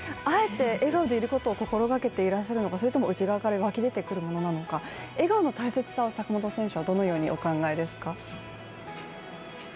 あえて笑顔でいることを心掛けていらっしゃるのかそれとも内側から湧き出てくるものなのか、笑顔の大切さを坂本選手はどのようにお考えですか？